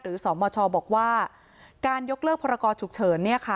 สมชบอกว่าการยกเลิกพรกรฉุกเฉิน